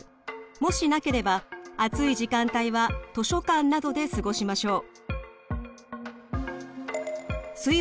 もしなければ暑い時間帯は図書館などで過ごしましょう。